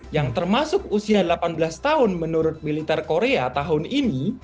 yang termasuk usia delapan belas tahun menurut militer korea tahun ini